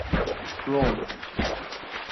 رم